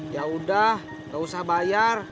yaudah nggak usah bayar